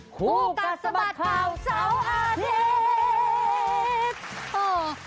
ภูกัดสบัดกับเสาอาทิตย์